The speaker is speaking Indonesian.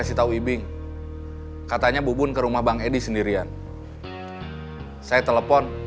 ditangkap dan buang ke sungai cikapul